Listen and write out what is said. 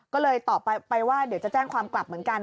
ก็เลยตอบไปว่าเดี๋ยวจะแจ้งความกลับเหมือนกัน